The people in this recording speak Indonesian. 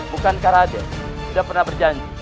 bukankah raden sudah pernah berjanji